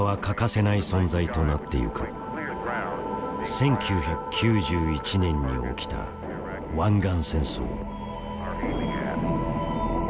１９９１年に起きた湾岸戦争。